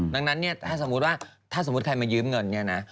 ดังนั้นเนี่ยถ้าสมมุติว่าถ้าสมมุติใครมายืมเงินเนี่ยนะ